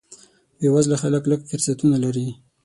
بې وزله خلک لږ فرصتونه لري.